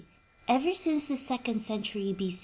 Ever since the second century B.